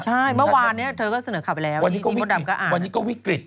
ใช่เมื่อวานเนี่ยเธอก็เสนอขับไปแล้ววันนี้ก็วิกฤต